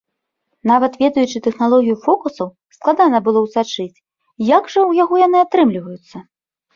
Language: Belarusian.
Нават ведаючы тэхналогію фокусаў, складана было ўсачыць, як жа ў яго яны атрымліваюцца?